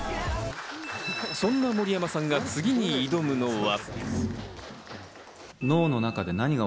そんな森山さんが次に挑むのは。